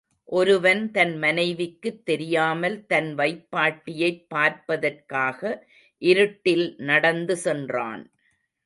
ஒருவன் தன் மனைவிக்குத் தெரியாமல் தன் வைப்பாட்டியைப் பார்ப்பதற்காக இருட்டில் நடந்து சென்றான்.